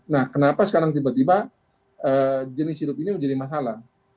nah kenapa sekarang tiba tiba jenis hidup ini menjadi masalah